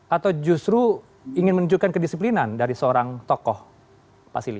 atau justru ingin menunjukkan kedisiplinan dari seorang tokoh pak silih